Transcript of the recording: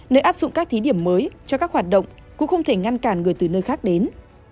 nếu áp dụng các thí điểm mới cho các hoạt động cũng không thể ngăn cản người từ nơi khác đến